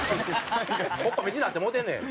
木っ端みじんになってもうてんねん。